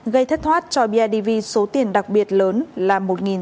gây thất thoát cho bidv số tiền đặc biệt lớn là một sáu trăm sáu mươi bốn